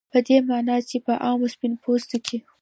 په دې معنا چې په عامو سپین پوستو کې